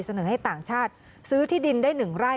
เสนอให้ต่างชาติซื้อที่ดินได้๑ไร่